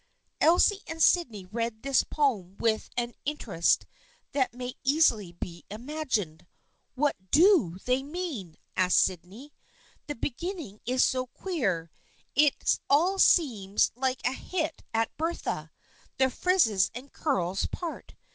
17 Elsie and Sydney read this poem with an inter est that may easily be imagined. "What do they mean?" asked Sydney. "The beginning is so queer. It all seems like a hit at Bertha, the frizzes and curls part.